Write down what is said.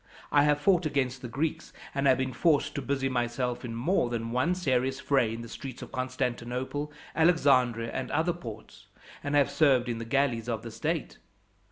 I have fought against the Greeks, and been forced to busy myself in more than one serious fray in the streets of Constantinople, Alexandria, and other ports, and have served in the galleys of the state.